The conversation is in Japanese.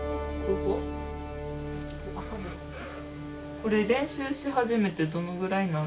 これ練習し始めてどのぐらいなん？